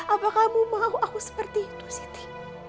apa kamu mau aku seperti itu siti